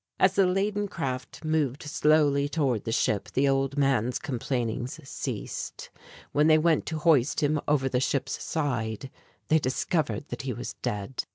As the laden craft moved slowly toward the ship the old man's complainings ceased. When they went to hoist him over the ship's side they discovered that he was dead.